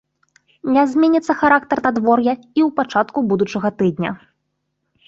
Не зменіцца характар надвор'я і ў пачатку будучага тыдня.